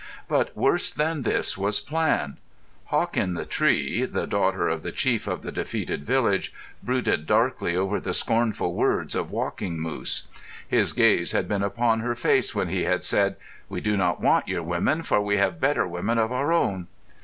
But worse than this was planned. Hawk in the Tree, the daughter of the chief of the defeated village, brooded darkly over the scornful words of Walking Moose. His gaze had been upon her face when he had said, "We do not want your women, for we have better women of our own."